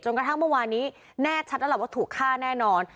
กระทั่งเมื่อวานนี้แน่ชัดแล้วล่ะว่าถูกฆ่าแน่นอน